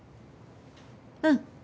うん。